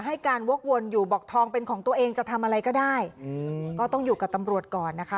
ให้การวกวนอยู่บอกทองเป็นของตัวเองจะทำอะไรก็ได้อืมก็ต้องอยู่กับตำรวจก่อนนะคะ